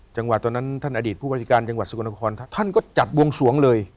ตอนนั้นท่านอดีตผู้บัญชาการจังหวัดสกลนครท่านก็จัดวงสวงเลย